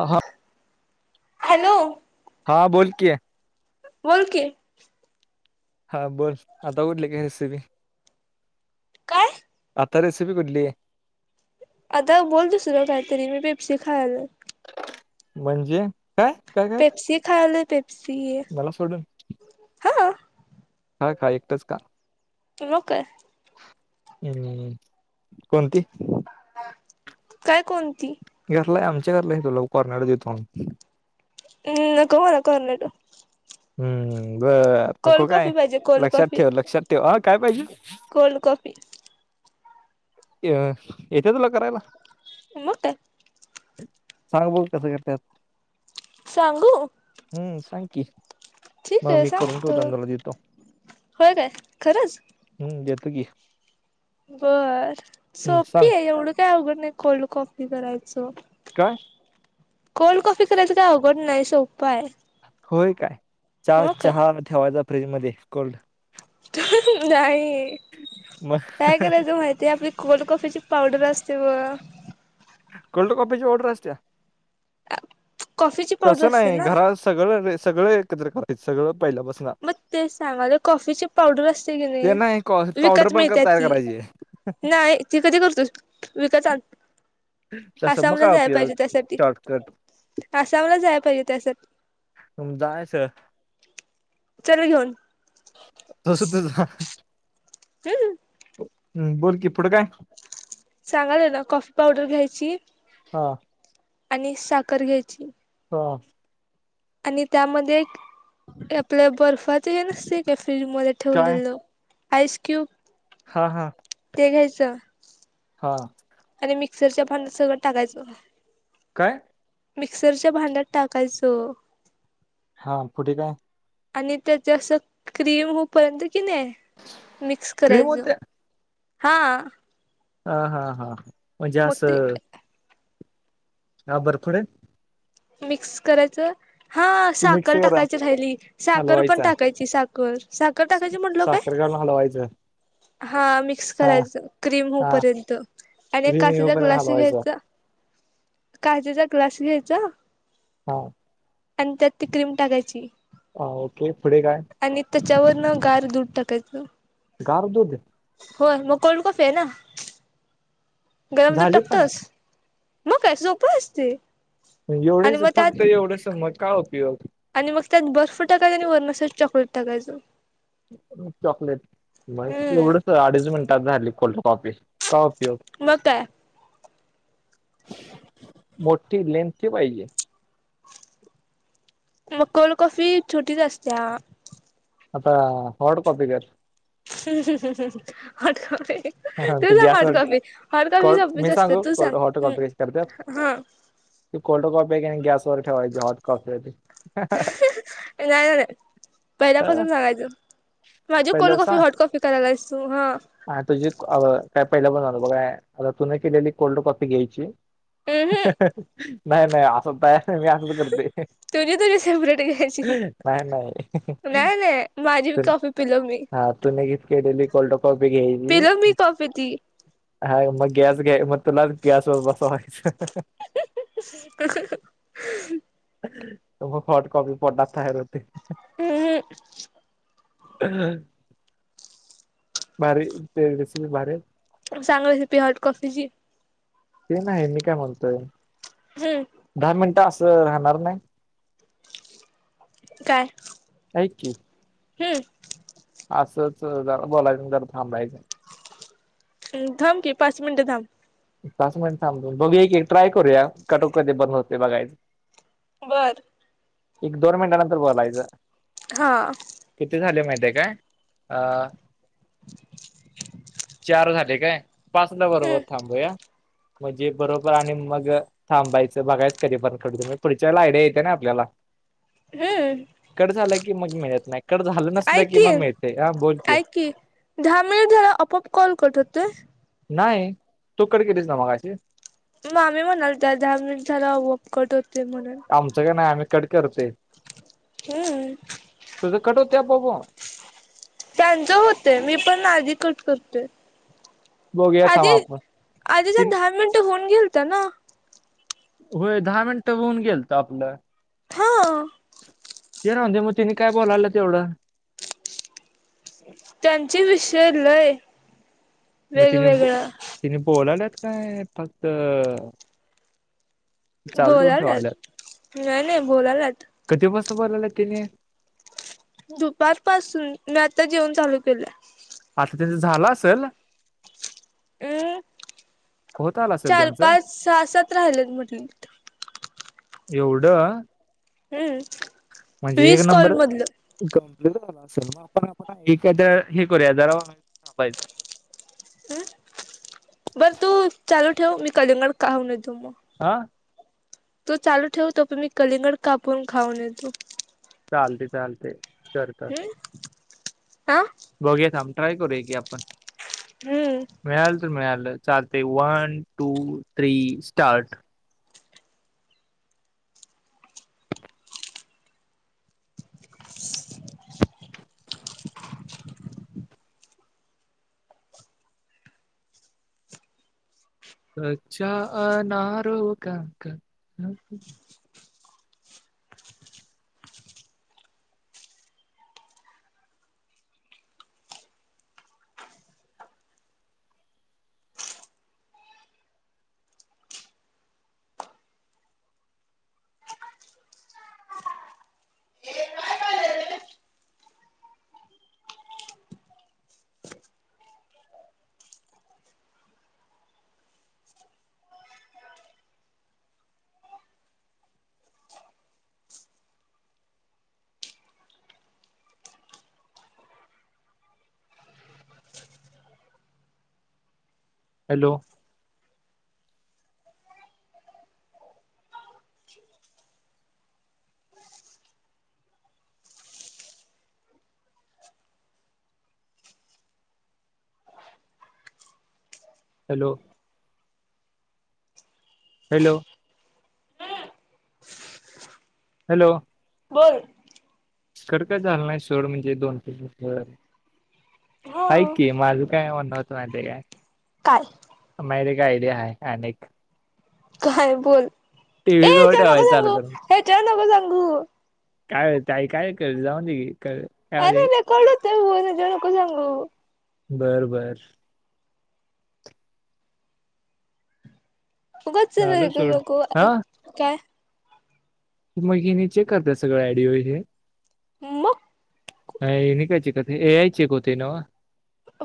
हं हां हॅलो हां बोलं की बोलं की हां बोलं आंता उठले कायं रेसिपी कायं आंता रेसिपी भेटली आंता बोलतंसर दुसरं कांहींतरी मी पेप्सी खायलोय म्हणजे कायं? पेप्सी खायांलोय पेप्सी ये मलां सोडूंन हां खां खां एकटांच खां तूं नौकर हम्मं बोलं की कायं कोणती ते घरंला आमच्यां घरंला ये तुलां कॉर्नडथूंन देतो थूंन हम्मं नको मलां कॉर्नेटो हम्मं बरं नको कोल्ड कायं कॉफी पाहिजे कोल्ड लक्षांत ठेवं लक्षांत ठेवं हं कायं पाहिजे. कोल्डं कॉफी अं येते तुलां करायलां मंग कायं सांग बघुं कसं करायचं सांगू हम्मं सांगकी ठीक मंग आहे मी करुंन सांगतो ठेवतो आणि तुलां देतो होय काय खरंच हम्मं देतो की बरं हम्म सांग सोपी आहे एवढं कायं अवघंड नाहीं कोल्डं कॉफी करायचं. कायं कोल्डं कॉफी करायचं कायं अवघंड नाहीं सोपांय आहे. होयं कायं चहा मग चहा ठेवांयचा फ्रीजमध्यें कोल्डं- नाही मग काय करायच माहितीये आपली- कोल्ड कॉफीची पावडर असते बघ कोल्ड काॅफीची पावडर असत्या कॉफीची तस पावडर असते नाही ना घरात सगळ एकत्र करत्यात सगळ पहिल्यापासन मग ते सांगालोय कॉफीचे पावडर असते की ते नाही कॉ पावडर विकत पण क मिळत्या तयार ती करायची नाही ती कधी करतोस विकत आण तसं मग आसामला काय जाय उपयोग पाहिजे त्यासाठी, शॉर्टकट आसामला जाया पाहिजे त्यासाठी तुम जायायच चल घेऊन तस तुझ हम्म हम्म्म बोल की पुढ काय सांगायलो ना कॉफी पावडर घ्यायची हां आणि साखर घ्यायची हां आणि त्यामध्ये एक आपल बर्फाच हे नसते का फ्रीज मध्ये ठेवलेल आइस क्यूब हां हां ते घ्यायच हां आणि मिक्सरच्या भांड्यात सगळ टाकायच काय मिक्सरच्या भांड्यात टाकायच हां पुढे काय आणि त्याच अस क्रीम होपर्यंत कि नाही मिक्स क्रीम करायच होत्या हां हा हां हां म्हणजे मग अस ते हां भरपुर हे मिक्स करायच हां की मिक्स साखर करा टाकायची राहिली साखर पण हलवायचा टाकायची साखर साखर टाकायची म्हटलो काय हलवायच हां मिक्स करायच क्रीम हा होपर्यंत आणि क्रीम काचेचा येऊपर्यंत ग्लास हलवायचं घ्यायचा काचेचा ग्लास घ्यायचा हां आणि त्यात ती क्रीम टाकायची हां ओके पुढे काय आणि त्याच्यावर न गार दूध टाकायच गार दुध होय मग कोल्ड कॉफी आहे ना गरम दुध झाली पण टाकतोस मग काय सोप असते आणि एवढेच मग फक्त त्यात एवढेस संमत काय उपयोग आणि मग त्यात बर्फ टाकायच आणि वरन अस चॉकलेट टाकायच चॉकलेट मग एवढच हम्म अडीच मिनिटात झाली कोल्ड कॉफी काय उपयोग मग काय मोठी, लेंथी पाहिजे. मग कोल्ड कॉफी छोटीच असत्या. आता, हॉट कॉफी कर. हॉट कॉफी तू ते सांग हॉट गॅसवर कॉफी, हॉट कॉफी कोल्ड सोप्पीच मी असते सांगू तु कोल्ड सांग हॉट कॉपी कशी करतात हम्म हा. ती कोल्ड कॉपी आहे की नाय गॅस वर ठेवायची हॉट कॉफी हाय ती. नाही नाही पहिल्यापासून सांगायचं माझी कोल्ड कॉफी हॉट कॉफी करायलास तू हा. आय तुझी अगं काय पहिलं पण [unintelligible] बघू आय तु ने केलेली कोल्ड कॉफी घ्यायची हम्म नाय नाय असं होताय. मी असंच करते तुझी तुझी नाय नाय. नाय नाय. तर हा तूने गिफ्ट केलेली कोल्ड कॉफी पिलो मी घ्यायची कॉफी ती हाय मग गॅस घे म तुला गॅसवर बसवायचं. कसं गं तो मग हॉट कॉपी पोटात तयार होते. उम्म हम्म. भारी [unintelligible] दिसली भारी आहे. सांगायची पी हॉट कॉफी जी. ते नाही मी काय म्हणतोय हम्म. दहा मिनटं असं राहणार नाय. काय ऐक की हम्म. असंच जरा बोलायचं जरा थांबयचं. हम्म थांब की पाच मिनिट थांब. पाच मिंट थांबू बघूया की एक ट्राय करूया की कटोकट कधी बंद होते बघायचा. बरं एक दोन मिनिटानंतर बोलायचं. हा. किती झाले माहितीय काय अ चार झाले काय पाचला बरोबर हम्म थांबूया म्हणजे बरोबर आणि मग थांबायचं बघायचा कधी पण [unintelligible] पुढच्याला आयडिया येते ना आपल्याला. हें कट झालं की मग मिळत नाही कट झालं नसलं की मग मिळते हा बोल की. दहा मिनिट झाल्यावर आपोआप कॉल कट होतोय? नाही तू कट केलीस ना मगाशी? मामी म्हणालत्या दहा मिनिट झाले की आपोआप कट होते म्हणून. आमचं का नाही आम्ही कट करते. हम्म. तुझं कट होते आपोआप हो? त्यांचं होतेय मी पण आधी कट करतोय. बघूया थांब आधी आपण. आधीच्या तीन दहा मिनिटं होऊन गेलता ना. होय दहा मिनिटं होऊन गेलतं आपलं. हा ते नव त्यांनी काय बोलाल्यात एवढं. त्यांची विषय लय. मग तिने बो वेगवेगळं तिने बोलाल्यात काय फक्त. चालू ठेवून ठेवाल्यात बोलाल्यात नाय नाय बोलाल्यात. कधीपासून बोलवल्यात तिने. दुपार पासून मी आता जेवन चालू केलं. अआता त्यांचं झालं असेल. अं होत आलं असेल चार त्यांचं पाच सहा सात राहिल्यात म्हटली. एवढं हम्म म्हणजे एक वीस कॉल नंबर. मधलं कंप्लीट झाला असेल मग आपण आपण एखाद्या हे करूया जरा थांबायचं बरं तू चालू ठेव मी कलिंगड खाऊन येतो मग. हां तू चालू ठेव तोपर्यंत मी कलिंगड कापून खाऊन येतो. चालतंय चालतंय. हंम हा बघूया थांब ट्राय करूया की आपण. हम्म मिळालं तर मिळालं चालतंय वन टू थ्री स्टार्ट [inaudible] अच्छा अनारो काका. हॅलो हॅलो हॅलो हॅलो बोल. कट काय झालं नाही सोड म्हणजे दोन तीन मिनिटं. हा ऐक की माझं काय म्हणण होतं माहिती आहे काय? काल माझ्याकडे एक आयडिया हाय अनेक काय बोल ए टीव्ही जवळ ह्याच्यावर नको ठेवायचं चालू सांगू करून ह्याच्यावर नको सांगू. काय ओ ताई काय कर जाऊन दे की कर. काय अरे म्हणजे रेकॉर्ड होतय फोन ह्याच्यावर नको सांगू. बरं बरं उगच झालं सोड हा [unintelligible] काय ती मुलगी नीचे करत्यात सगळं आयडीवर हे. हं मग अं ह्यांनी काय चेक होत ए आय चेक होतं न्हव.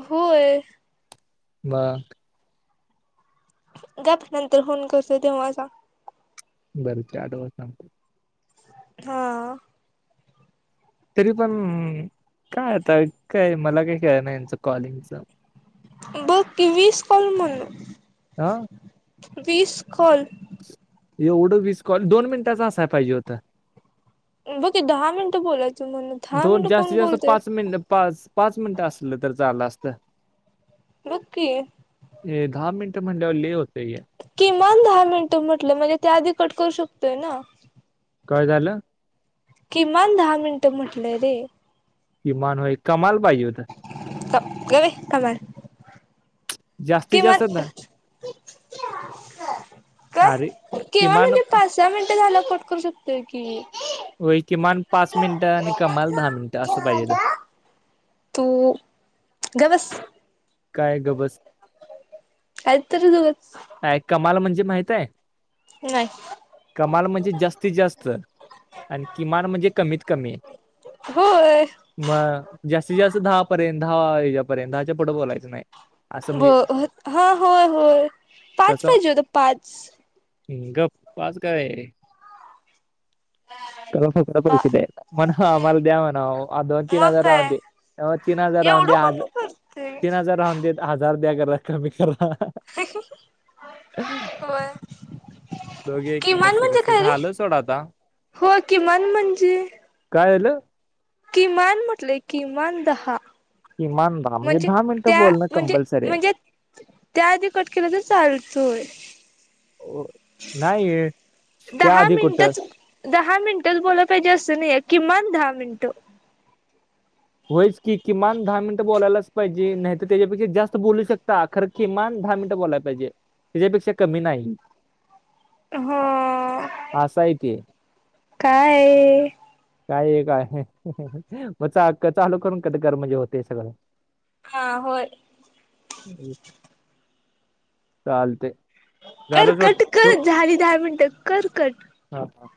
होय. मग गप्प नंतर फोन करतोय तेव्हा सांग. बरं चार वाजता सांगतो. हां तरी पण काय आता काय मला काही कळेना नाही यांच कॉलिंगचं. बघ की वीस कॉल म्हणं हा वीस कॉल. एवढं वीस कॉल दोन मिनिटाच असाय पाहिजे होतं बघ की दहा मिनटं बोलायच म्हण दोन जास्तीत जास्त पाच मिनट पाच मिनिटं असलं तर चाललं असत. बघ की. हे दहा मिनट म्हणल्यावर लई होतंय हे किमान दहा मिनिटं म्हटलं म्हणजे त्या आधी कट करू शकतोय ना काय झालं किमान दहा मिनिटं म्हटलंय रे किमान होय कमाल पाहिजे होत. गप्प ये कमाल. जास्तीत किमान जास्त दहा काय अरे किमान म्हणजे पाच सहा मिनटं झाल्यावर कट करू शकतोय की होय. किमान पाच मिनिटं आणि कमाला दहा मिनट असं पाहिजे हुतं तू गबस काय गबस कायतरीच उगच आय कमाल म्हणजे माहित हाय. त काय कमाल म्हणजे जास्तीत जास्त. आणि किमान म्हणजे कमीत कमी. होय. म जास्तीत जास्त दहापर्यंत दहा याच्या पर्यंत दहाच्या पुढ बोलायचं नाही. असं म्हणजे ब हा होय होय पाच पाहिजे हुतं पाच हम गप पाच काय. खरं फक्त पैस काय येना. म्हण हा आम्हाला द्या म्हणावं आओ दोन तीन मग हजार काय राहूदे आओ तीन हजार राहून एवढं द्या कोण आज करते. तीन हजार राहूनदे हजार द्या खरं कमी करा व्हय बघूया की कसं कसं झालं सोड आता हो किमान म्हणजे काय झालं. किमान म्हटलय किमान दहा किमान दहा म्हणजे दहा मिनिटं त्या बोलणं म्हणजे कंपल्सरी हाय. म्हणजे त्या आधी कट केलं तर चालतय. ओ नाही त्या दहा आधी कुठं मिनिटच दहा मिनिटच बोलाय पाहिजे असं नाहीये किमान दहा मिनिटं होयच किमान दहा बोलायलाच पाहिजे. नाही तर त्याच्यापेक्षा जास्त बोलू शकता. खर किमान दहा मिनिटं बोलायल पाहिजे. त्याच्यापेक्षा कमी नाही. हो असा हाय ते. काय काय काय म चा चालू करून कट कर म्हणजे होतय सगळं हा होय. चालतय कर कट कर झाली दहा मिनटं कर कट हा थांब.